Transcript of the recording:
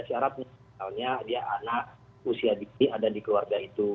syaratnya misalnya dia anak usia di sini ada di keluarga itu